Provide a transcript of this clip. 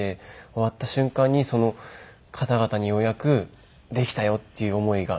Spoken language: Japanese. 終わった瞬間にその方々にようやくできたよっていう思いが。